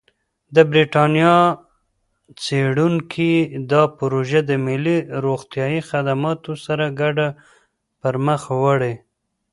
د بریتانیا څېړونکي دا پروژه د ملي روغتیايي خدماتو سره ګډه پرمخ وړي.